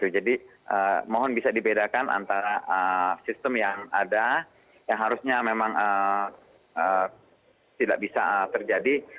jadi mohon bisa dibedakan antara sistem yang ada yang harusnya memang tidak bisa terjadi